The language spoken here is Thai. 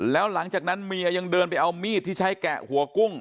แล้วหลังจากนั้นเมียยังเดินไปเอามีดที่ใช้แกะหัวกุ้ง